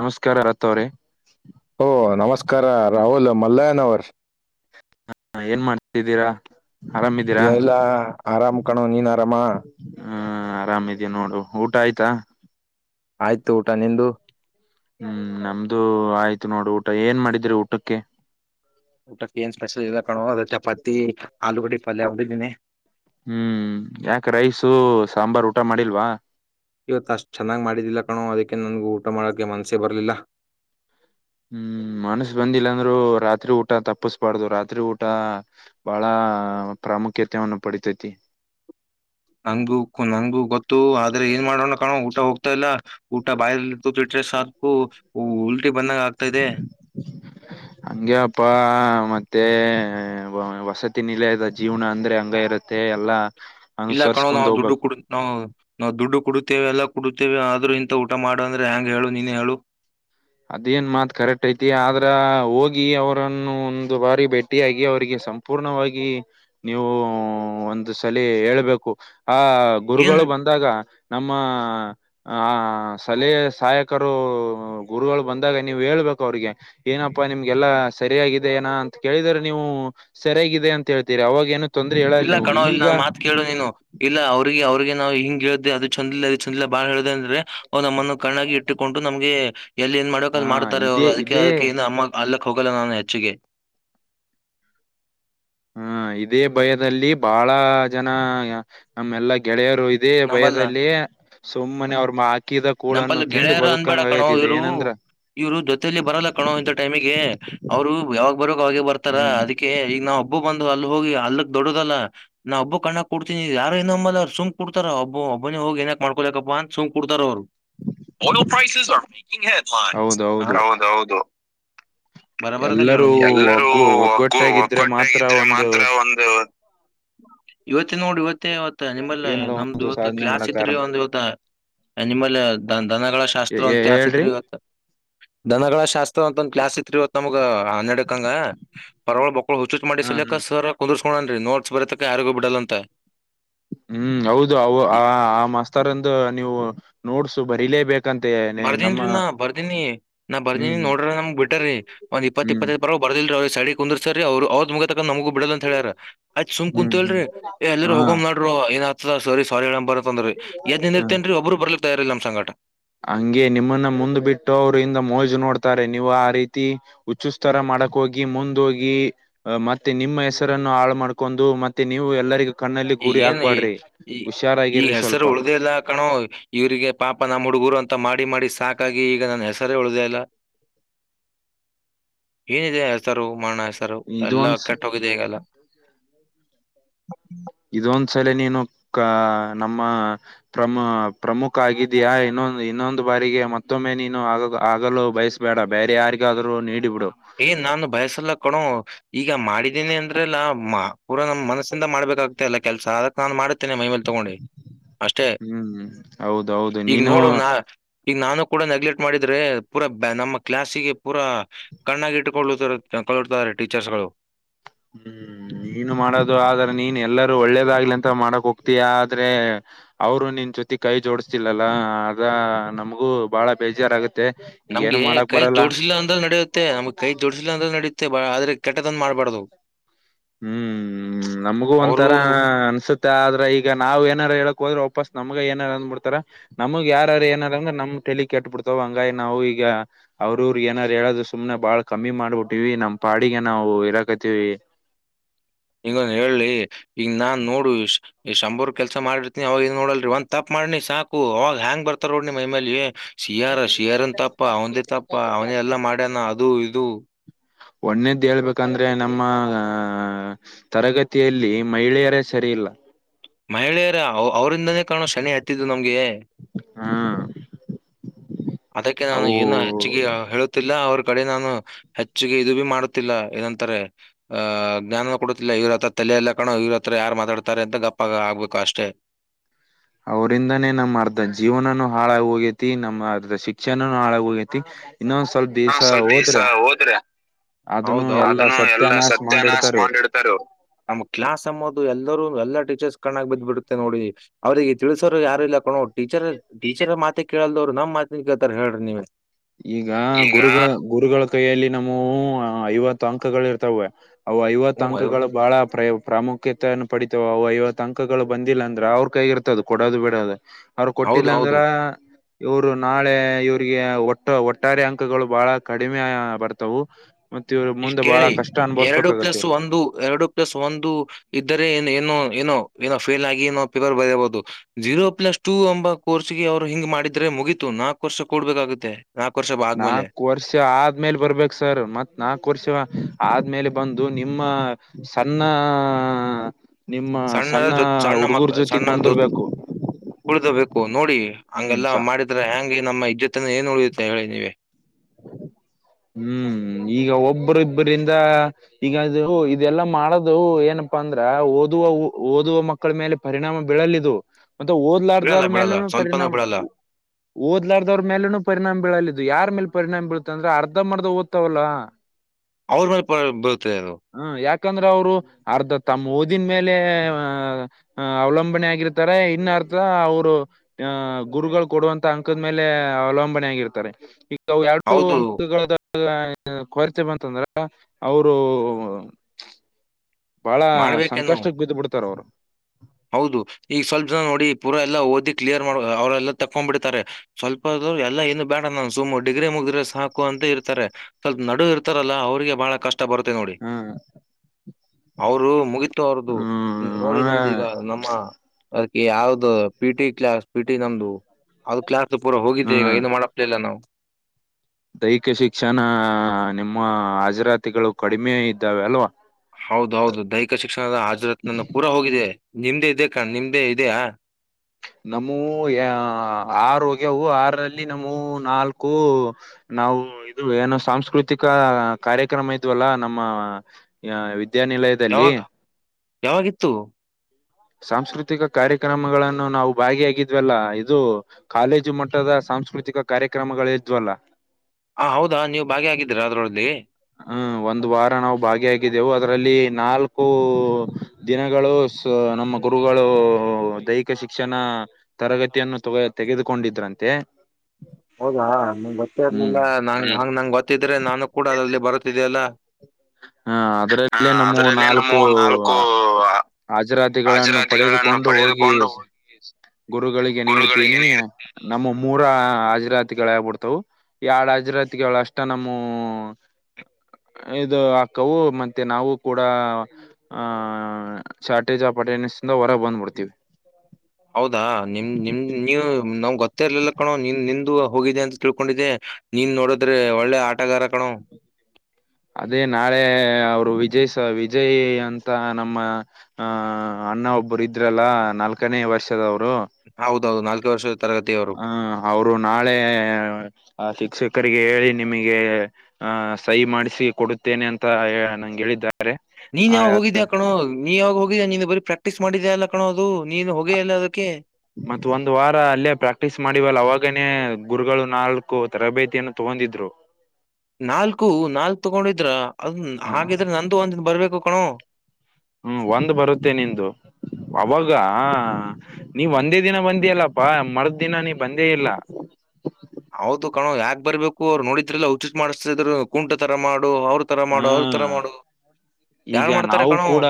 ನಮಸ್ಕಾರ ರಥ ಅವ್ರೇ. ಓ ನಮಸ್ಕಾರ ರಾಹುಲ್ ಮಲ್ಲಯ್ಯನವರ್. ಹಾ ಏನ್ ಮಾಡ್ತಿದ್ದೀರಾ. ಆರಾಮಿದ್ದೀರಾ ಎಲ್ಲ ಆರಾಮ್ ಕಣೋ ನೀನ್ ಆರಾಮಾ. ಹಾ ಆರಾಮಿದೀವಿ ನೋಡು ಊಟ ಆಯ್ತಾ. ಆಯ್ತು ಊಟ ನಿಂದು. ಹ್ಮ್ ನಮ್ದು ಆಯ್ತು ನೋಡು ಊಟ ಏನ್ ಮಾಡಿದ್ರಿ ಊಟಕ್ಕೆ. ಊಟಕ್ಕೆ ಏನ್ ಸ್ಪೆಷಲ್ ಇಲ್ಲ ಕಣೋ ಅದೇ ಚಪಾತಿ ಆಲೂಗಡ್ಡಿ ಪಲ್ಯ ಉಂಡಿದೀನಿ. ಹ್ಮ್ ಯಾಕ ರೈಸು ಸಾಂಬಾರ್ ಊಟ ಮಾಡಿಲ್ವಾ. ಇವತ್ತು ಅಷ್ಟು ಚೆನ್ನಾಗಿ ಮಾಡಿದ್ದಿಲ್ಲ ಕಣೋ ಅದಕ್ಕೆ ನನ್ಗೆ ಊಟ ಮಾಡಕ್ಕೆ ಮನಸೇ ಬರಲಿಲ್ಲ. ಹ್ಮ್ ಮನಸ ಬಂದಿಲ್ಲ ಅಂದ್ರು ರಾತ್ರಿ ಊಟ ತಪ್ಪಸ್ಬಾರ್ದು ರಾತ್ರಿ ಊಟ. ಬಹಳ ಪ್ರಾಮುಖ್ಯತೆಯನ್ನು ಪಡಿತೈತಿ. ನಂಗು ನಂಗು ಗೊತ್ತು ಆದ್ರೆ ಏನ್ ಮಾಡೋಣ ಕಾಣೋ ಊಟ ಹೋಗ್ತಾ ಇಲ್ಲ. ಊಟ ಬಾಯಲ್ಲಿ ಎರಡು ತುತ್ತು ಇಟ್ರೆ ಸಾಕು ಉಲ್ಕೆ ಬಂದಾಗ ಆಗ್ತಾ ಇದೆ. ಹಂಗಗೆಪಾ ಮತ್ತೆ ವಸತಿ ನಿಲಯದ ಜೀವನ ಅಂದ್ರೆ ಹಂಗ ಇರತ್ತೆ. ಮತ್ತೆ ಎಲ್ಲಾ ಇಲ್ಲ ಕಣೋ ಅನುಸರ್ರಿಸಕೊಂಡ್ ನಾವು ದುಡ್ಡು ಹೋಗ್ಬೇಕು. ಕುಡ್ ನಾವು ನಾವು ದುಡ್ಡು ಕೊಡುತ್ತೇವೆ ಎಲ್ಲಾ ಕುಡುತ್ತೇವೆ ಆದ್ರೂ ಇಂತ ಊಟ ಮಾಡು ಅಂದ್ರೆ ಹೆಂಗ್ ಹೇಳು ನೀನೇ ಹೇಳು. ಅದೇನ್ ಮಾತ್ ಕರೆಕ್ಟ್ ಐತಿ ಆದ್ರ ಹೋಗಿ ಅವ್ರನ್ನು ಒಂದು ಬಾರಿ ಭೇಟಿಯಾಗಿ ಅವ್ರಿಗೆ ಸಂಪೂರ್ಣ. ಪೂರ್ಣವಾಗಿ ನೀವು ಒಂದು ಸಲ ಹೇಳ್ಬೇಕು ಆ. ಏನ್ ಗುರುಗಳು ಬಂದಾಗ. ನಮ್ಮ ಆ ಸಲಹೆ ಸಹಾಯಕರು. ಗುರುಗಳು ಬಂದಾಗ ನೀವು್ ಹೇಳ್ಬೇಕು ಅವ್ರಿಗೆ. ಏನಪ್ಪಾ ನಿಮ್ಗೆಲ್ಲಾ ಸರಿಯಾಗಿದೆ ಏನ ಅಂತ ಕೇಳಿದ್ರೇ ನೀವು. ಸರಿಯಾಗಿದೆ ಅಂತ ಹೇಳ್ತೀರಿ ಅವಾಗೇನ. ಇಲ್ಲ ಕಣೋ ಇಲ್ಲಿ ನನ್ನ ನಾನು ಮಾತ್ ಕೇಳು ನೀನು. ಇಲ್ಲ ಅವ್ರಿಗೆ ಅವ್ರಿಗೆ ನಾವು ಹಿಂಗೆ ಹೇಳ್ದೆ ಅದು ಚಂದ ಇಲ್ಲ ಅದು ಚಂದ ಇಲ್ಲ ಬಾಳ ಹೇಳ್ದ ಅಂದ್ರೆ ಅವ್ ನಮ್ಮನ್ನು ಕಣ್ಣಾಗಿ. ಇಟ್ಟಕೊಂಡು ನಮ್ಗೆ ಎಲ್ಲಿ ಏನ್ ಮಾಡ್ಬೇಕೋ ಹ ಅಲ್ಲಿ ಮಾಡ್ತಾರೆ ಅವ್ರು ಇದೇ ಅದಕ್ಕೆ ಇದೇ ಅದಕ್ಕೆ ಏನು ಅಮ್ಮ ಅಲ್ಲಕ್ ಹೋಗಲ್ಲ ನಾನು ಹೆಚ್ಚಿಗೆ. ಹಾ ಇದೇ ಭಯದಲ್ಲಿ ಬಹಳ ಜನ ನಮ್ಮೆಲ್ಲಾ ಗೆಳೆಯರು ಇದಾರೆ. ಇದೇ ನಂಬಲ್ಲ ಭಯದಲ್ಲಿ. ಸುಮ್ಮನೆ ಅವ್ರ ಹಾಕಿದ ನಂಬಲ್ಲ ಕೂಳನ್ನು ತಿಂದು ಗೆಳೆಯರು ಅನ್ಬೇಡ ಬದುಕಂಗ ಕಣೋ ಹಾಗೈತೆ ಇವ್ರು ಏನಂದ್ರೇ. ಇವ್ರು ಜೊತೆಯಲ್ಲಿ ಬರಲ್ಲ ಕಣೋ ಇಂಥ ಟೈಮಿಗೆ ಅವ್ರು ಯಾವಾಗ ಬರೋಕ್ ಅವೆ ಬರ್ತಾರ ಹ್ಮ್ ಅದಕ್ಕೆ. ಈಗ ನಾವ್ ಒಬ್ಬ ಬಂದು ಅಲ್ಲಿ ಹೋಗಿ ಅಲ್ಲಿಗೆ ದೊಡ್ಡದಲ್ಲ ನಾನ್ ಒಬ್ಬ ಕಣಕ್ ಕೂಡ್ತೀನಿ ಯಾರು ಏನ್ ನಂಬಲ್ಲ ಸುಮ್ಮ್. ಕೂಡ್ತಾರೆ ಒಬ್ಬನೇ ಹೋಗಿ ಏನಕ್ ಮಾಡಕೋಬೇಕಪ್ಪ ಅಂತ ಸುಮ್ಮ್ನೆಕೂಡ್ತಾರೇ ಅವರು. ಹೌದೌದು ಹೌದು ಹೌದು. ಬರಬರದಲ್ಲಿ ಹೇಳು ಎಲ್ಲರೂ ನೀನು ಎಲ್ಲರೂ ಒಗ್ಗು ಒಗ್ಗು ಒಗ್ಗೊಟ್ಟಾಗಿದ್ರೆ ಮಾತ್ರ ಒಗ್ಗಟ್ಟಾಗಿದ್ರೆ ಒಂದು ಮಾತ್ರ ಒಂದು. ಯೋಚನೆ ಮಾಡು ಇವತ್ತೋ ಯಾವತ್ತೋ ನಿಮ್ಮಲ್ಲಿ. ಏನಾರ ಒ ಒಂದು ಇವತ್ ಸಾಧನೆ ಮಾಡ ಕ್ಲಾಸ್ ತ್ರಿ ಕಾರಣ ಒಂದ್ ಇವತ್ತಾ ಅನಿಮಲ್ ದನಗಳ ಶಾಸ್ತ್ರ ಒಂದ್ ಕ್ಲಾಸಿತ್ ಹೇಳ್ರಿ ರೀ ಇವತ್ತು. ದನಗಳ ಶಾಸ್ತ್ರ ಅಂತ ಒಂದು ಕ್ಲಾಸ್ಇತ್ತ್ ರೀ ನಮಗ ಹನ್ನೆರಡುಕ್ಕ ಹಂಗಾ. ಪರೋಳ್ ಮಕ್ಕ್ಳು ಹುಚ್ಚುಚ್ ಮಾಡಿ ಹ್ಮ್ ಹಚ್ಚಿಸೋವ್ ರೀ ಹ್ಮ್ ಸರ್ ಕುಂದ್ರುಸ್ಕೊಂದವಿನ್ ರೀ ನೋಟ್ಸ್ ಬರಿಯೋತಕ ಯಾರಿಗೂ ಬಿಡಲ್ಲ ಅಂತೆ. ಹ್ಮ್ ಹೌದು ಅವ್ ಆ ಮಾಸ್ತರ್ಂದು ನೀವು ನೋಟ್ಸ್ ಬರಿೀಲೇಬೇಕು. ಬರ್ದಿನಿ ರೀ ನಾ ಬರ್ದೀನಿ ನಾ ಹ್ಮ್ ಬರ್ದೀನಿ ನೋಡ್ರಿ ನಮ್ಗ್ ಬಿಟ್ರೀ ಒಂದ್ ಇಪ್ಪತ್ತ ಹ್ಮ್ ಇಪ್ಪತ್ತೈದು ಬರದಿಲ್ಲ ರೀ. ಬರ್ದಿಲ್ಲ ರೀ ಅವ್ರಗೆ ಸೈಡ್ಗೆ ಕುಂದರ್ ಸವರ್ ರೀ ಅವರ್ದ್ ಮುಗಿಯೋತಕ ನಮಗೂ. ಬಿಡ ಅಂತ ಹೇಳ್ಯಾರ ಆಯ್ತ್ ಸುಮ್ಮ್ ಹ್ಮ್ ಹ್ಮ್ ಹ್ಮ್ ಕುಂತಕೊಳ್ಳ್ರಿ ಎಲ್ಲರು ಹಾ ಹೋಗಾನ್ ಮಾಡ್ರರು ಏನ್ ಆತದ ಸರ್ಗೆ ಸ್ವಾರಿ ಹೇಳನಾ ಬರ್ರೋ. ಕುಂದ್ರಿ ಎದ್ದ್ ಹ ನಿಂದಿರ್ತೀನಿ ರೀ ಒಬ್ಬರು ಬರ್ಲಿ ತಯಾರಿಲ್ಲ ನಮ್ಮ ಸಂಗಟ. ಹಂಗೆ ನಿಮ್ಮನ್ನ ಮುಂದ್ ಬಿಟ್ಟು ಅವ್ರಿಂದೆ ಮೋಜ್ ನೋಡ್ತಾರೆ ನೀವು ಆ ರೀತಿ. ಹುಚ್ಚುಸ್ತರ ಮಾಡಕ್ ಹೋಗಿ ಮುಂದೋಗಿ ಮತ್ತೆ ನಿಮ್ಮ ಹೆಸರನ್ನು ಹಾಳು ಮಾಡ್ಕೊಂಡು ಮತ್ತೆ ನೀವು ಎಲ್ಲರಿಗೂ ಕಣ್ಣಲ್ಲಿ ಈ ಗುರಿ ಏನು ಹಾಕ್ಬಾಡ್ರಿ ಈ ಈಗ ಹುಷಾರಾಗಿರ್ರಿ ಹೆಸರು ಸ್ವಲ್ಪ ಉಳ್ದ ಇಲ್ಲ ಕಣೋ ಇವರಿಗೆ ಪಾಪ ನಮ್ಮ ಹುಡುಗರು ಅಂತ ಮಾಡಿ ಮಾಡಿ ಸಾಕಾಗಿ ಈಗ ನನ್ನ ಹೆಸರೇ ಉಳ್ದೇ ಇಲ್ಲ [inaudible] ಏನಿದೆ ಹೆಸರು ಮಾಡಣ ಹೆಸರು ಎಲ್ಲಾ ಇದೊಂದ್ ಕೆಟ್ಟೋಗ ದೆ ಅಲ್ಲ [inaudible] ಇದೊಂದ್ಸಲ ನೀನು ಕ ನಮ್ಮ ಪ್ರಮ ಪ್ರಮುಖ ಆಗಿದಯಾ ಇನ್ನೊಂದು ಇನ್ನೊಂದು ಬಾರಿಗೆ ಮತ್ತೊಮ್ಮೆ ನೀನು ಆಗ ಆಗಲು ಬಯಸ್ ಬೇಡ ಬೇರೆ ಯಾರಿಗಾದ್ರೂ ನೀಡಿ ಬಿಡು ಏನ್ ನಾನು ಬಯಸಲ್ಲ ಕೊಣೋ ಈಗ ಮಾಡಿದೀನಿ ಅಂದ್ರೆಲ್ಲ ಪೂರಾ ನಮ್ಮ್ ಮನಸ್ಸಿಂದ ಮಾಡ್ಬೇಕಾಗ್ತ ಅಲ್ಲ ಕೆಲ್ಸ ನಾನು ಮಾಡುತ್ತೇನೆ ಮೈಮೇಲ್ ತಗೊಂಡಿ ಅಷ್ಟೇ ಹ್ಮ್ ಹೌದೌದು ಈಗ ನೀನು ನೋಡು ನ ಈಗ ನಾನು ಕೂಡ ನೆಗ್ಲೆಕ್ಟ್ ಮಾಡಿದ್ರೆ ಪೂರಾ ನಮ್ಮ ಕ್ಲಾಾಸಿಗೆ ಪೂರಾ ಕಣ್ಣಾಗಿ ಇಟ್ಕೊಳ್ಳ ಕಳಡ್ತಾರೆ ಟೀಚರ್ಸ್ ಗಳು ಹ್ಮ್ ನೀನು ಮಾಡೋದು ಆದ್ರೆ ನೀನ್ ಎಲ್ಲರೂ ಒಳ್ಳೇದ್ಲಿ ಅಂತ ಮಾಡಕ್ ಹೋಗ್ತೀಯ ಆದ್ರೆ ಅವರು ನಿನ್ ಜೊತೆ ಕೈ ಜೋಡಸ್ತಿಲ್ಲಲ್ಲ ಅದ ನಮ್ಗೂ ಬಾಳ ಬೇಜಾರಾಗತ್ತೆ ನಮ್ಗೆ ಕೈ ಜೋಡ್ಸಿಲ್ಲ ಅಂದ್ರ ನಡೆಯುತ್ತೆ ನಮ್ ಕೈ ಜೋಡಸಿಲ್ಲ ಅಂದ್ರೆ ನಡೆಯುತ್ತೆ ಬ ಆದ್ರೆ ಕೆಟ್ಟದಂದು ಮಾಡಬಾರ್ದು ಹ್ಮ್ ನಮಗೂ ಅವರು ಒಂಥರ ಅನ್ಸತ್ ಆದ್ರೆ ಈಗ ನಾವ್ ಏನಾರ ಹೇಳಕ್ ಹೋದ್ರೆವಪಸ್ ನಮಗ ಏನಾರ ಅಂದಬಿಡ್ತಾರ ನಮಗ್ ಯಾರು ಏನಾರಂಗ್ರ ನಮ್ ತಲೆ ಕೆಟ್ಬ ಬಿಡ್ತಾವ ಹಂಗ ನಾವು ಈಗ ಅವರೆವ್ರ್ ಏನಾರು ಹೇಳೋದು ಸುಮ್ನೆ ಬಾಳ್ ಕಮ್ಮಿ ಮಾಡ್ಬಿಟ್ಟಿವವಿ ನಮ್ ಪಾಡಿಗೆ ನಾವು ಇರಾಕತ್ತೀವಿ ಹಿಗೊಂದು ಹೇಳಿ ಈಗ ನಾನ್ ನೋಡು ಈ ಶಂಬರ್ ಕೆಲ್ಸ ಮಾಡಿರ್ತಿನಿ ಅವಾಗ ಇನ್ ನೋಡಲ್ರಿ ಒಂದ್ ತಪ್ ಮಾಡನಿ ಸಾಕು ಅವಾಗ ಹೆಂಗ ಬರ್ತಾರೋಡ ನಿ ಮೈಮೇಲಿ ಶಿಯಾರ ಶಿಯಾರನ್ ತಪ್ಪ ಅವನದೇ ತಪ್ಪ ಅವನ ಎಲ್ಲಾ ಮಾಡ್ಯಾನ ಅದು ಇದು ಒಣೆದ್ದ್ ಹೇಳ್ಬೇಕಂದ್ರೆ ನಮ್ಮ ಆ ತರಗತಿಯಲ್ಲಿ ಮಹಿಳೆಯರೇ ಸರಿ ಇಲ್ಲ ಮಹಿಳೆಯರ ಅವ್ರ್ ಅವ್ರಂದನೇ ಕಾಣೋ ಶನಿ ಹತ್ತಿದ್ದು ನಮಗೆ ಹಾ [inaudible] ಅದಕ್ಕೆ ನಾನು ಅವು ಏನು ಹೆಚ್ಚಿಗೆ ಹೇಳುತ್ತಿಲ್ಲ ಅವ್ರ ಕಡೆ ನಾನು ಹೆಚ್ಚಿಗೆ ಇದು ಭೀ ಮಾಡುತ್ತಿಲ್ಲ ಏನಂತಾರೆ ಅಹ್ ಜ್ಞಾನ ಕೊಡುತ್ತಿಲ್ಲ ಇವ್ರ ಹತ್ರ ತಲೆ ಎಲ್ಲ ಕಣು ಇವ್ರ ಹತ್ರ ಯಾರ್ ಮಾತಾಡ್ತಾರೆ ಅಂತ ಗಪ್ಪಾಗ ಆಗ್ಬೇಕು ಅಷ್ಟೇ. ಅವ್ರಂದಾನೇ ನಮ್ಮ್ ಅರ್ಧ ಜೀವನನು ಹಾಳಾಗಿ ಹೋಗೇತಿ ನಮ್ಮ ಅರ್ಧ ಶಿಕ್ಷಣನು ಹಾಳಾಗಿ ಹೋಗೇತಿ. ಇನ್ನೊಂದ ಸ್ವಲ್ಪ ಹಾ ದಿವ್ಸ ಸ್ವಲ್ಪ ದಿವ್ಸ ಹೋದ್ರೆ ಹೋದ್ರೆ ಅದನ್ನು ಹೌದ ಎಲ್ಲಾ ಅದನ್ನು ಎಲ್ಲಾ ಸತ್ಯನಾಶ ಸತ್ಯಾನಾಶ ಮಾಡಿಡ್ತಾರ ಅವರು ಮಾಡಿಡ್ತಾರ ಇವ್ರು ನಮ್ ಕ್ಲಾಸ್ ಅಮ್ಮೋದು ಎಲ್ಲರೂ ಎಲ್ಲಾ ಟೀಚರ್ಸ್ ಕಣ್ಣಾಗಿ ಬದ್ ಬಿಡುತ್ತೆ ನೋಡಿ ಈ ಅವ್ರಿಗೆ ತಿಳಿಸೋರು ಯಾರುಲ್ಲ ಕೊಂಡೋ ಟೀಚರ್ ಟೀಚರ ಮಾತೆ ಕೇಳಲ್ದವ್ರು ನಮ್ಮ ಮಾತಿನ ಕೇಳ್ತಾರ ಹೇಳ್ರಿ ನೀವ್ ಈಗ ಗುರುಗಳ ಗುರುಗಳ ಕೈಯಲ್ಲಿ ನಾಮವು ಐವತ್ತು ಅಂಕಗಳ ಇರ್ತವೆ ಅವು ಐವತ್ತು ಹ್ಮ್ ಅಯ್ಯೋ ಅಂಕಗಳು ಬಹಳ ಪ್ರ ಪ್ರಾಮುಖ್ಯ ಕ್ಯಾತೆನ್ನು ಪಡಿತಾವ ಐವತ್ತು ಅಂಕಗಳು ಬಂದಿಲ್ಲ ಅಂದ್ರೆ ಅವ್ರ ಕೈಗಿರ್ತ ಇರ್ತವ್ ಅದು ಕೊಡೋದು ಬಿಡೋದು ಅವರು ಹೌದು ಕೊಟ್ಟಿಲ್ಲ ಅಂದ್ರ ಹೌದು ಇವ್ರು ನಾಳೆ ಇವ್ರಿಗೆ ಒಟ್ಟ ಒಟ್ ಒಟ್ಟಾರೆ ಅಂಕಗಳು ಬಹಳ ಕಡಿಮೆ ಬರ್ತವು ಮತ್ತ ಇವ್ರು ಇಲ್ ಮುಂದೆ ಬಹಳ ಕೇಳಿ ಕಷ್ಟ ಎರಡು ಅನ್ಭವಸ್ಬೇಕಾಗತ್ತ ಪ್ಲಸ್ ಇವ್ರು ಒಂದು ಎರಡು ಎರ್ಡು ಪ್ಲಸ್ ಒಂದು ಇದ್ದರೆ ಏ ಏನೋ ಏನೋ ಏನೋ ಫೇಲ್ ಆಗಿ ಏನೋ ಪೇಪರ್ ಬರೆಯಬಹುದು ಜೀರೋ ಪ್ಲಸ್ ಟೂ ಎಂಬ ಕೋರ್ಸ್ಗೆ ಅವ್ರು ಹಿಂಗ್ ಮಾಡಿದ್ರೆ ಮುಗೀತು ನಾಕ್ ವರ್ಷ ಕೊಡ್ಬೇಕಾಗುತ್ತೆ. ನಾಕ್ ವರ್ಷ ಬಾ ನಾಕ್ವರ್ಷ ಆದ್ಮೇಲೆ ಬರ್ಬೇಕು ಸರ್ ಮತ್ತ್ ನಾಲ್ಕು ವರ್ಷ ಆದ್ಮೇಲೆ ಬಂದು ನಿಮ್ಮ ಸಣ್ಣ ಹಾ ನಿಮ್ಮ ಸಣ್ಣ ಹುಡುಗರ್ ಜೊತೆಗ್ ಕುಂದಿರ್ಬೇಕು ಉಳ್ದೋಬೇಕು ನೋಡಿ ಹಂಗೆಲ್ಲಾ ಮಾಡಿದ್ರ ಹೆಯಾಂಗೆ ನಮ್ಮ ಇಜ್ಜತನ ಏನ್ ಉಳಿಯತ್ತ ಹೇಳಿ ನೀವೆ ಹ್ಮ್ ಈಗ ಒಬ್ಬರ್ ಇಬ್ಬರಿಂದ ಈಗ ಅದು ಇದೆಲ್ಲಾ ಮಾಡೋದು ಏನಪ್ಪಾ ಅಂದ್ರ ಓದುವ ಓದುವ ಮಕ್ಕಳ ಮಕ್ಕಳ ಮೇಲೆ ಪರಿಣಾಮ ಬೀಳಲಿದು ಮತ್ತೆ ಬಿಡಲ್ಲ ಓದ್ಲಾರ್ದ್ರ ಬಿಡಲ್ಲ ಮೇಲು ಸ್ವಲ್ಪನೂ ಪರಿಣಾಮ ಬಿಡಲ್ಲ ಓದಲಾರದವ್ರ ಮೇೂಲುನು ಪರಿಣಾಮಬೀಳಲ್ಲ ಇದು ಯಾರ್ ಮೇಲ್ ಪರಿಣಾಮ ಬೀಳ್ತಾ ಅಂದ್ರ ಅಡ್ದ ಮಾಡ್ದ ಓದ್ತವಲ್ಲ ಅವ್ರ ಮಲ್ ಪರಿಣಾಮ ಬೀಳುತ್ತೆ ಅದು ಹ್ಮ ಯಾಕಂದ್ರ ಅವರು ಅರ್ಧ ತಮ್ಮ ಓದಿನ ಮೇಲೆ ಅ ಅವಲಂಬನೆ ಆಗಿರ್ತಾರೆ ಇನ್ನ ಅರ್ಥ ಅವರು ಆ ಗುರುಗಳು ಕೊಡುವಂತ ಅಂಕದ ಮೇಲೆ ಅವಲಂಬನೆ ಆಗಿರ್ತಾರೆ ಎರಡು ಹೌದು ಅಂಕಗಳ ಕೊರಿತೆ ಬಂತಂದ್ರ ಅವರು ಬಹಳ ಮಾಡ್ಬೇಕೇನು ಸಂಕಷ್ಟಕ್ ಬಿದ್ದು ಬಿಡ್ತಾರ ಅವ್ರು ಹೌದು ಈಗ ಸ್ವಲ್ಪ್ ಜನ ನೋಡಿ ಪೂರಾ ಎಲ್ಲಾ ಓದಿ ಕ್ಲಿಯರ್ ಮಾಡ ಅವ್ರೆಲ್ಲ ತಕೊಂಡ್ಬ ಬಿಡ್ತಾರೆ ಸ್ವಲ್ಪ ಎಲ್ಲಾ ಇಏನು ಬೇಡ ನನ್ ಸುಮು ಡಿಗ್ರಿ ಮುಗಿದ್ರೆ ಸಾಕು ಅಂತ ಇರ್ತಾರೆ ಸ್ವಲ್ಪ ನಡು ಇರ್ತಾರಲ್ಲಾ ಅವ್ರಿಗೆ ಬಹಳ ಕಷ್ಟ ಕಷ್ಟ ಬರುತ್ತೆ ನೋಡಿ ಹ್ಮ್ [inaudible] ಅವರು ಮುಗಿತು ಅವರದು ನೋಡಿ ನಂದಿಗ ಈಗ ಹ್ಮ್ ನಮ್ಮ ಅದಕ್ಕೆ ಯಾವ್ದ P T class P T ನಮ್ದು ಅದು ಕ್ಲಾಸ್ ಪೂರ ಹೋಗಿದ್ದಿದೆ ಈಗಏ ಹ್ಮ್ ಮಾಡಪ್ಲಿಲ್ಲ ನಾವು ದೈಹಿಕ ಶಿಕ್ಷಣ ನಿಮ್ಮ ಹಾಜರಾತಿಗಳು ಕಡಿಮೆ ಇದ್ದಾವೆ ಅಲ್ವಾ ಹೌದ ಹೌದು ದೈಹಿಕ ಶಿಕ್ಷಣದ ಹಾಜರತ ನನ್ನ ಪೂರ ಹೋಗಿದೆ ನಿಮ್ದೇ ಇದದೆ ಕ ನಿಮ್ದೇ ಇದೆಯಾ ನಮ್ಮವು ಆರೋಗ್ಯವು ಆರಲ್ಲಿ ನಮ್ಮ ನಾಲ್ಕು ನಾವು ಇದು ಏನು ಸಾಂಸ್ಕೃತಿಕ ಕಾರ್ಯಕ್ರಮ ಇದ್ವಲ್ಲ ನಮ್ಮ ಹ ವಿದ್ಯಾನಿಲಯ ಯಾವಾಗ ಯಾವಾಗಿತ್ತು ಸಾಂಸ್ಕೃತಿಕ ಕಾರ್ಯಕ್ರಮಗಳನ್ನು ನಾವು ಭಾಗಿಯಾಗಿದ್ವಲ್ಲ ಇದು ಕಾಲೇಜು ಮಟ್ಟದ ಸಾಂಸ್ಕೃತಿಕ ಕಾರ್ಯಕ್ರಮಗಳ ಇದ್ವಲ್ಲ ಹ ಹೌದಾ ನೀವು ಬಾಗೇ ಆಗಿದ್ದೀರ ಅದ್ರೊಲ್ಲಿ ಹ್ಮ ಒಂದು ವಾರ ನಾವು ಭಾಗಿಯಾಗಿದ್ದೆವು ಅದರಲ್ಲಿ ನಾಲ್ಕು ದಿನಗಳು ನಮ್ಮ ಗುರುಗಳು ಸು ದೈಹಿಕ ಶಿಕ್ಷಣ ತರಗತಿಯನ್ನು ತಗ ತೆಗೆದುಕೊಂಡಿದ್ರಂತೆ ಹೌದಾ ನಂಗೆ ಗೊತ್ತೇ ಹ್ಮ್ ಇರ್ಲಿಲ್ಲ ನಂಗ ಹಂಗ್ ನಂಗ್ ಗೊತ್ತಿದ್ರೆ ನಾನು ಕೂಡ ಅ ಅಲ್ಲಿ ಬರತ್ತಿದ್ಯಲ್ಲ ಹ ಅದ್ರಲ್ಲೇ ನಮ್ಮ ನಮ್ಮ ನಾಲ್ಕು ನಾಲ್ಕು ಹಾಜರಾತಿಗಳನ್ನು ಹಾಜರಾತಿಗಳನ್ನು ಪಡೆದುಕೊಂಡು ಹೋಗಿ ಪಡೆದುಕೊಂಡು ಗುರುಗಳಿಗೆ ಗುರುಗಳಿಗೆ ನೀಡ್ತೀನಿ ನೀಡಿ ನಮ್ಮ ಮೂರ ಹಾಜಿರಾತಿಗಳೇಗ್ಬಿಡ್ತವು ಎಡ್ ಹಜರಾತ್ಗೆಳ ಅಷ್ಟ ನಮ್ಮೂ ಇದು ಅಕ್ಕವು ಮತ್ತೆ ನಾವು ಕೂಡ ಆ ಶಾರ್ಟೇಜ್ ಆಪರ್ಟೇನ್ಸ್ಂದ ಹೊರ ಬಂದ್ಡ್ತೀವಿ ಹೌದಾ ನಿಮ್ ನಿಮ್ ನೀವು ನಮ್ ಗೊತ್ತೇ ಇರ್ಲಿಲ್ಲ ಕಣೋ. ನೀನ್ ನಿಂದು ಹೋಗಿದೆ ಅಂತ ತಿಳ್ಕೊಂಡಿದ್ದೆ. ನೀನ್ ನೋಡದ್ರೆ ಒಳ್ಳೆ ಆ- ಟಗಾರರಕ್ಕಣೋ [inaudible] ಅದೇ ನಾಳೆ ಅವ್ರು ವಿಜಯ್ ಸ ವಿಜಯ್ ಅಂತ ನಮ್ಮ [unintelligible] ಆಹ ಅಣ್ಣ ಒಬ್ಬರು ಇದ್ರಲ್ಲ ನಾಲ್ಕನೇ ವರ್ಷದವ್ರು. ಹೌದೌದು ನಾಲ್ಕು ವರ್ಷದ ತರಗತಿವ್ರು. ಹ ಅವರು ನಾಳೆ ಆ ಶಿಕ್ಷಕರಿಗೆ ಹೇಳಿ ನಿಮಗೆ. ಆಹ ಸಹಿ ಮಾಡಿಸಿ ಕೊಡುತ್ತೇನೆ ಅಂತ ನಂಗೆ ಹೇ- ನೀನ್ ಯಾವ ಹೋಗಿದ್ದ್ಯಾ. ಕದು ನೀ ಯಾಗ ಹೋಗಿದ್ದ. ನೀಂದ ಬರೀ ಪ್ರಾಕ್ಟೀಸ್ ಮಾಡಿದ್ಯಾ ಅಲ್ಲ ಕಾಣೋದು ನೀನ್ ಹೋಗೇಯಲ್ಲ. ಅದಕ್ಕೆ ಮತ್ತ ಒಂದ್ ವಾರ ಅಲ್ಲೇ ಪ್ರಾಕ್ಟೀಸ್ ಮಾಡಿವಲ್ಲ ಅವಾಗನೇ ಗುರುಗಳು ನಾಲ್ಕು ತರಬೇತಿಯನ್ನು ತಗೊಂಡಿದ್ರು. ನಾಲ್ಕು ನಾಲ್ಕ್ ತಗೊಂಡಿದ್ರ? ಅದ ಹಾಗಿದ್ರೆ ನಂದು ಒಂದಿನ ಬರ್ಬೇಕು ಕಣೋ. ಹ್ಮ್ ಒಂದ್ ಬರುತ್ತೆ ನಿ್ದ ಅವಾಗ. ನೀವ್ ಒಂದೇ ದಿನ ಬಂದಿ ಅಲ್ಲಪ್ಪಾ. ಮರದ್ ದಿನ ನೀ ಬಂದೇ ಇಲ್ಲ. ಹೌದು ಕಣೋ ಯಾಕ್ ಬರ್ಬೇಕು? ಅವ್ರು ನೋಡಿದ್ರಲ್ಲ ಉಚಿತ್ ಮಾಡ್ತಿದ್ರು ಕುಂಟ ತರ ಮಾಡು ಅವ್ರ- ತರ ಮಾಡು ಅವ್ರ ಹಾ ತರ ಮಾಡು ಈಗ ಯಾರ್ ಮಾಡ್ತಾರೆ ನಾವು ಕಣೋ. ಕೂಡ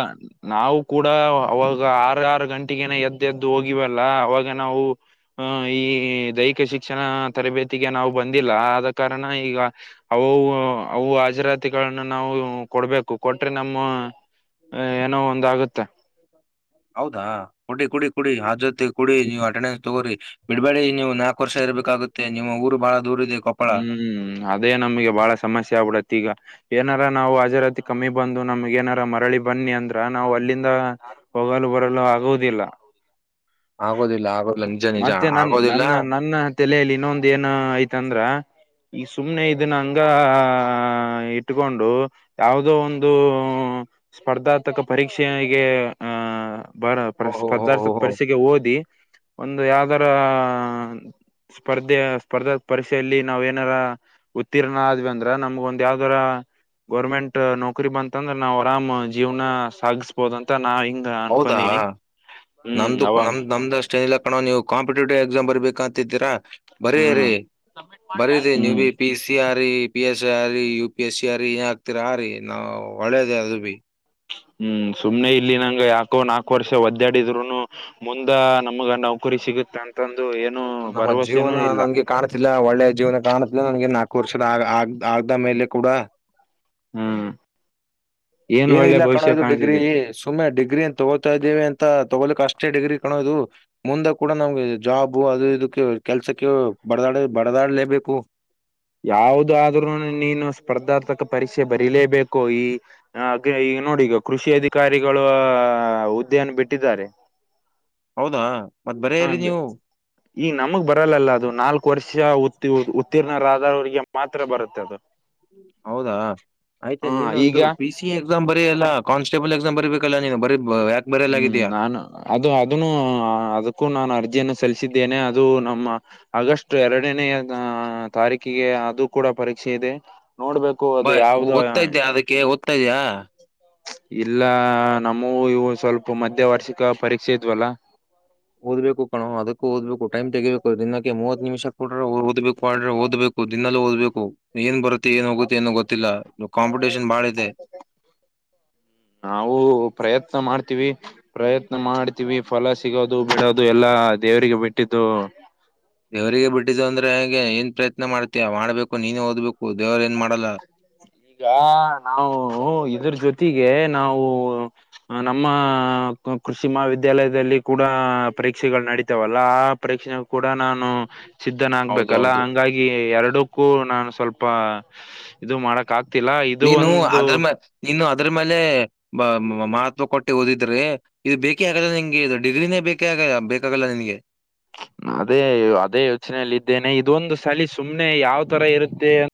ನಾವು ಕೂಡ ಅವಾಗ ಆರು ಆರು ಗಂಟಗನ ಎದ್ದ ಎದ್ದು ಹೋಗಿವಲ್ಲ ಅವಾಗ ನಾವು. ಹಹ ಈ ದೈಹಿಕ ಶಿಕ್ಷಣ ತರಬೇತಿಗೆ ನಾವು ಬಂದಿಲ್ಲ ಆದ ಕಾರಣ ಈಗ. ಅವು ಅವು ಹಜರ- ಗಳನ್ನು ನಾವು ಕೊಡ್ಬೇಕು ಕೊಟ್ರೆ ನಮ್ಮ ಏನೋ ಒಂದ ಆಗುತ್ತೆ. ಹ [unintelligible] ಹೌದಾ ಕೊಡಿ ಕುಡಿ ಕುಡಿ ಅ್ ಜೊತ್ತ ಕುಡಿ ನೀವು ಅಟೆಂಡೆನ್ಸ್ ತಗೋಿ ಬಿಡ್ಬೇಡಿ ನೀವು. ನಾಲ್ಕು ವರ್ಷ ಇರಬೇಕಾಗುತ್ತೆ. ನಿಮ್ಮ ಊರು ಬಹಳ- ದೂರ ಇದೆ ಕೊಪ್ಪಳ ಹ್ಮ್ ಅದೇ ನಮ್ಗೆ ಬಾಳ ಸಮಸ್ಯೆ ಆಗ್ಬಿಡತ್ತ ಈಗ. ಏನಾರ ನಾವು ಹಾಜರಾತಿ ಕಮ್ಮಿ ಬಂದು ನಮ್ಗ್ ಏನಾರ ಮರಳಿ ಬನ್ನಿ ಅಂದ್ರ ನಾವು ಅಲ್ಲಿಂದ?. ಹೋಗಲು ಬರಲು ಆಗೋುದಿಲ್ಲ. ಆಗೋದಿಲ್ಲ ಆಗದ- ಮತ್ತೆ ನನ್ ನನ್ನ ನನ್ನ ತಲೆಯಲ್ಲಿ ಇನ್ನೊಂದ ಏನ್ ಆಐ್ತಂದ್ರ, - ಈ ಸುಮ್ಮ್ನೆ ಇದನ್ನಂಗ ಇಟ್ಕೊಂಡು. ಯಾವುದೋ ಒಂದು ಸ್ಪರ್ಧಾತ್ಮಕ ಪರೀಕ್ಷೆಗೆ ಆಹ- ಬರ ಓಹೋ ಹೋ ಹೋ ಪದಾರ್ಥ ಹೋ ಪರೀಕ್ಷೆಗೆ ಓದಿ. ಒಂದು ಯಾವ್ದರ ಸ್ಪರ್ಧೆ ಸ್ಪರ್ಧಾ ಪರೀಕ್ಷೆಯಲ್ಲಿ ನಾವ್ ಏನಾರ. ಉತ್ತೀರ್ಣ ಆದ್ವಿ ಅಂದ್ರ ನಮ್ಗ ಒಂದ್ ಯಾವ್ದರ- ಗೌರ್ಮೆಂಟ್ ನೌಕರಿ ಬಂತಂದ್ರೆ ನಾವು ಆರಾಮ್ ಜೀವನ ಸಾಗಿಸಬೋದ ಅಂತ ನಾ ಹಿಂಗ, ಹೌದಾ ಅನ್ಕೊಂಡೀನಿ ಹ್ಮ್ ನಮ್ದು ಅವಾಗ ನಮ್ದ್ ನಮ್ [inaudible] ಚಂದಿಲ್ಲಾ ಕಣವ ನೀವು ಕಾಂಪಿಟೇಟಿವ್ ಎಕ್ಸಾಮ್ ಬರ್ಬೇಕು ಅಂತಿದ್ದೀರಾ. ಬರೀ ಹ್ಮ್ ರೀ ಬರೀ ರ ನೀವು ಹ್ಮ್ ಬಿ ಪಿ ಸಿ ಆ ರ- ಪಿ ಎಸ್ ಸಿ ಆರಿ ಯು ಪಿ ಎಸ್ ಸಿ ಆಾರಿ ಏನ್ ಹಾಕ್ತಿರ ಆ ರೀ ನಾವು ಒಳ್ಳೇದ ಅದ್ ಬಿಿ. ಹ್ಮ್ ಸುಮ್ನೆ ಇಲ್ಲಿ ನಂಗ ಯಾಕೋ ನಾಕು ವರ್ಷ ಒದ್ದ್ಯಾಡಿದ್ರುನು. ಮುಂದ ನಮ್ಗ ನೌಕರಿ ಸಿಗುತ್ತೆ ಅಂತ. ತಂದು ಏನು [unintelligible] ನಮ್ಮ ಭರವಸೆನೂ ಜೀವನ ಇಲ್ಲ ನಂಗೆ ಕಾಣ್ತಿಲ್ಲ ಒಳ್ಳೆ ಜೀವನ ಕಾಣ- ಇ ನನ್ಗೆ ನಾಲ್ಕು ವರ್ಷದ ಆಗ್ ಆಗದ ಮೇಲೆ ಕೂಡ. ಹ್ಮ್ [unintelligible] ಏನ್ ಏನ ಒಳ್ಳೆ ಇಲ್ಲ ಭವಿಷ್ಯ ಕಣೋಯದು ಡಿಗ್ರಿ. ಕಾಣ್ತಿದೆ ಸುಮ್ಮನೆ ಡಿಗ್ರಿಏನ್ ತಗೋತಾ ಇದೇ ಅಂತ ತಗೋಲಿಕ್ ಅಷ್ಟೇ ಡಿಗ್ರಿ ಕಾಣೋದು. ಮುಂದಾಗ ಕೂಡ ನಮ್ಗೆ ಜಾಬು ಅದು ಇದಕ್ಕೆ ಕೆಲ್ಸಕ್ಕೆ ಬಡದಾಡ ಬಡದಾಡ್ಲೇಬೇಕು. ಯಾವದಾದ್ರರು ನೀನು ಸ್ಪರ್ಧಾತ್ಮಕ ಪರೀಕ್ಷೆ ಬರೀಲೇಬೇಕೋ ಈ ಈಗ ನೋಡಿ ಈಗ ಕೃಷಿ ಅಧಿಕಾರಿಗಳು ಹುದ್ದೆಯನ್ನು ಬಿಟ್ಟಿದ್ದಾರೆ. ಹೌದಾ. ಮತ್ ಹಾ. ಬರೀರಿ ನೀವು ಈ ನಮಗ್ ಬರಲ್ಲಲ್ಲ ಅದು ನಾಲ್ಕು ವರ್ಷ ಉತಿರ್ಣ ಉತ್ತೀರ್ಣರಾದವರಿಗೆ ಮಾತ್ರ ಬರುತ್ತೆ ಅದು. ಹೌದಾ ಆಯ್ತಾ ಹ ನೀನು ಇದು ಈಗ P C. A C exam ಬರಿ ಅಲ್ಲ ಕಾಸ್ಟೇಬಲ್ ಎಸಾಮ್ ಬರಿಬೇಕಲ್ಲ ನೀ ಬರೀ ಯಾಕೆ. ಹ್ಮ್ ಬರೆಯಲಾಗಿದೆಯಾ ನಾನು ಅದು ಅದನ್ನು ಅದಕ್ಕೂ ನಾನು ಅರ್ಜಿಯನ್ನು ಸಲ್ಲಿಸಿದ್ದೇನೆ ಅದು ನಮ್ಮ. ಆಗಸ್ಟ್ ಎರಡನೇ ತಾರೀಕಿಗೆ ಅದು ಕೂಡ ಪರೀಕ್ಷೆ ಇದೆ ನೋಡ್ಬೇಕು. ಅದು ಬಟ್ ಯಾವ್ದ ಓದ್ತಾ ಇದ್ದೆ ಅದಕ್ಕೆ ಓದ್ತಾ ಇದ್ಯಾ. ಇಲ್ಲ ನಮ್ಮೂವು ಇವು ಸ್ವಲ್ಪ ಮಧ್ಯ ವಾರ್ಷಿಕ ಪರೀಕ್ಷೆ ಇದ್ವಲ್ಲ. ಓದ್ಬೇಕು ಕಣೋ ಅದಕ್ಕ ಓದ್ಬೇಕು ಟೈಮ್ ತೆಗಿಬೇಕು ದಿನಕ್ಕೆ ಮೂವತ್ ನಿಮಿಷ ಕೊಡ್ರೆ ಓದ್ಬೇಕು ಅಂದ್ರೇ ಓದಬೇಕು. ದಿನಲೂ ಓದ್ಬೇಕು ಏನ್ ಬರುತ್ತೆ ಏನ್ ಹೋಗುತ್ತೆ ಏನೋ ಗೊತ್ತಿಲ್ಲ ಕಾಂಪಿಟೇಷನ್ ಬಾಳ ಇದೆ. [inaudible] ನಾವು ಪ್ರಯತ್ನ ಮಾಡ್ತೀವಿ. ಪ್ರಯತ್ನ ಮಾಡ್ತೀವಿ ಫಲ ಸಿಗೋದು ಬಿಡೋದು ಎಲ್ಲಾ ದೇವರಿಗೆ ಬಿಟ್ಟಿದ್ದು. ದೇವರಿಗೆ ಬಿಟ್ಟಿದ್ದು ಅಂದ್ರೆ ಹೇಗೆ ಏನ್ ಪ್ರಯತ್ನ ಮಾಡ್ತಿಯ ಮಾಡ್ಬೇಕು ನೀನೇ ಓದ್ಬೇಕು ದೇವ್ರು ಏನ್ ಮಾಡಲ್ಲ. ಈಗ ನಾವು ಇದ್ರ ಜೊತೆಗೆ ನಾವು. ನಮ್ಮ ಕೃಷಿ ಮಹಾವಿದ್ಯಾಲಯದಲ್ಲಿ ಕೂಡ ಪರೀಕ್ಷೆಗಳು ನಡೀತಾವಲ್ಲ. ಪರೀಕ್ಷೆಗೂ ಕೂಡ ನಾನು ಸಿದ್ಧನ ಹೌದು ಆಗ್ಬೇಕಲ್ಲ ಹೌದು ಹಂಗಾಗಿ. ಈ ಎರಡಕ್ಕೂ ನಾನು ಸ್ವಲ್ಪ ಇದು ಮಾಡಕ್ ಆಗ್ತಿಲ್ಲ ಇದು ಒಂದು. ಇನ್ನು ಅದ್ರ ಮೇಲೆ ಬ ಮಹತ್ವ ಕೊಟ್ಟಿ ಓದಿದ್ರೇ. ಇದು ಬೇಕೇ ಆಗಲ್ಲ ನಿಂಗೆ ಇದು ಡಿಗ್ರಿನೇ ಬೇಕೇ ಆಗಲ್ಲಾ ಬೇಕಾಗಲ್ಲ ನಿನಗೆ. ಅದೇ ಅದೇ ಯೋಚನೆಯಲ್ಲಿ ಇದ್ದೇನೆ ಇದೊಂದು ಸಲಿ ಸುಮ್ನೆ ಯಾವ್ ತರ ಇರುತ್ತೆ ಅಂತ.